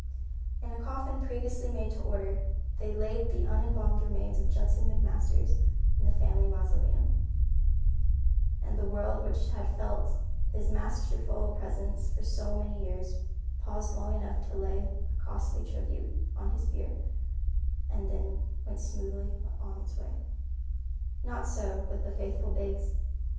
In a coffin previously made to order, they laid the unembalmed remains of Judson McMasters in the family mausoleum, and the world which had felt his masterful presence for so many years paused long enough to lay a costly tribute on his bier and then went smoothly on its way. Not so with the faithful Biggs.